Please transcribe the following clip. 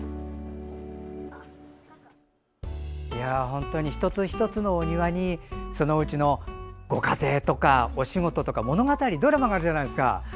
本当に一つ一つのお庭にそのおうちのご家庭とかお仕事とか物語、ドラマがあるじゃないですか。